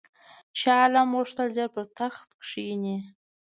شاه عالم غوښتل ژر پر تخت کښېني.